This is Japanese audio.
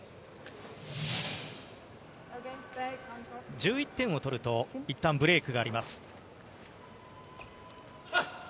１１点を取るといったんブレークがあります。